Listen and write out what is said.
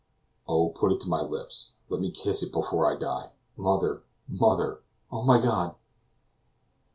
Oh, put it to my lips let me kiss it before I die. Mother! mother! Oh, my God!"